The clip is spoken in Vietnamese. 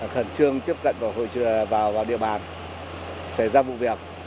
khẩn trương tiếp cận và vào địa bàn xảy ra vụ việc